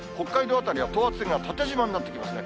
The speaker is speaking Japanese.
辺りは等圧線が縦じまになってきますね。